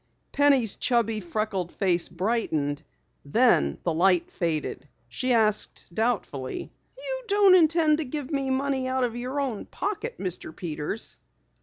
Penny's chubby, freckled face brightened. Then the light faded. She asked doubtfully: "You don't intend to give me the money out of your own pocket, Mr. Peters?"